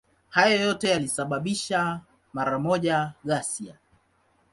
Hayo yote yalisababisha mara moja ghasia.